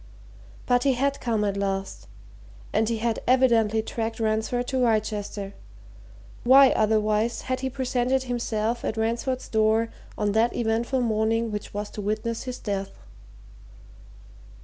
But he had come, at last, and he had evidently tracked Ransford to Wrychester why, otherwise, had he presented himself at Ransford's door on that eventful morning which was to witness his death?